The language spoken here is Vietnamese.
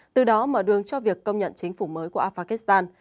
từ đó mở đường cho việc công nhận chính phủ mới của afghan